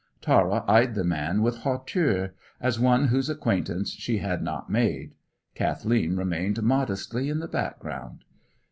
Tara eyed the man with hauteur, as one whose acquaintance she had not made. Kathleen remained modestly in the background.